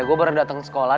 gue baru datang sekolah